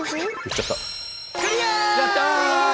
やった！